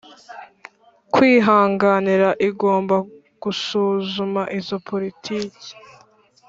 kwihanganira Igomba gusuzuma izo politiki